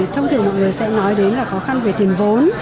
thông thường mọi người sẽ nói đến là khó khăn về tìm vốn